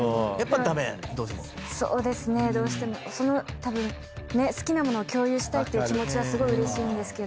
たぶん好きな物を共有したいっていう気持ちはすごいうれしいんですけど。